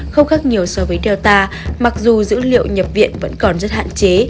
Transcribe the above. không khác nhiều so với delta mặc dù dữ liệu nhập viện vẫn còn rất hạn chế